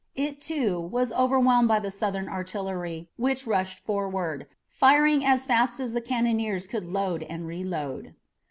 It, too, was overwhelmed by the Southern artillery which rushed forward, firing as fast as the cannoneers could load and reload.